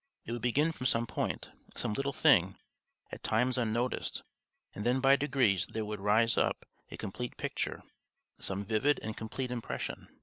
It would begin from some point, some little thing, at times unnoticed, and then by degrees there would rise up a complete picture, some vivid and complete impression.